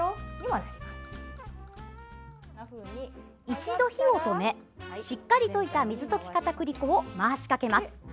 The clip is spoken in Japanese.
一度火を止めしっかり溶いた水溶きかたくり粉を回しかけます。